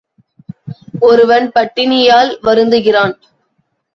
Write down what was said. ஒருவன் பட்டினியால் வருந்துகிறான்.